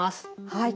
はい。